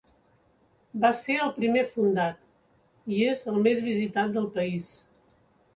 Va ser el primer fundat, i és el més visitat del país.